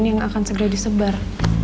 yang akan segera disebar